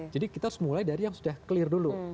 jadi kita harus mulai dari yang sudah clear dulu